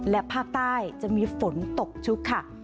และภาคใต้จะมีฝนตกชุกค่ะ